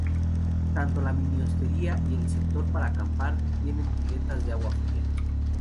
Tanto la mini hostería y el sector para acampar tienen piletas de agua fría.